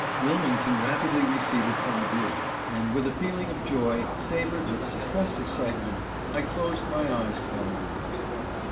Wilmington rapidly receded from view, and with a feeling of joy, savored with suppressed excitement, I closed my eyes for a moment.